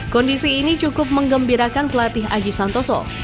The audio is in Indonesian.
kondisi ini cukup mengembirakan pelatih aji santoso